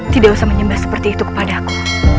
tidak usah menyembah seperti itu kepada aku